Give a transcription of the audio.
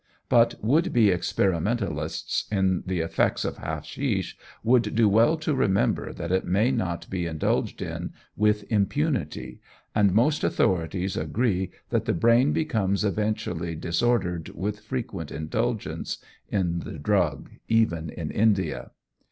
But would be experimentalists in the effects of hashish would do well to remember that it may not be indulged in with impunity, and most authorities agree that the brain becomes eventually disordered with frequent indulgence in the drug even in India.